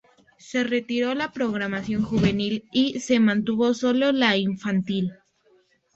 Se retiró la programación juvenil y se mantuvo sólo la infantil.